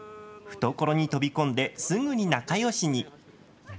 懐に飛び込んで、すぐに仲よしに。